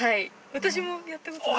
私もやったことなくて。